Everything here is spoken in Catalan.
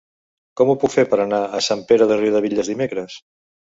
Com ho puc fer per anar a Sant Pere de Riudebitlles dimecres?